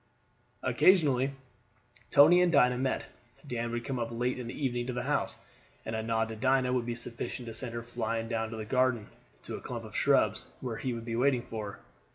Occasionally Tony and Dinah met. Dan would come up late in the evening to the house, and a nod to Dinah would be sufficient to send her flying down the garden to a clump of shrubs, where he would be waiting for her.